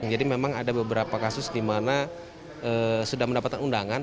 jadi memang ada beberapa kasus di mana sudah mendapatkan undangan